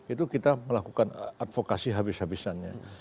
itu kita melakukan advokasi habis habisannya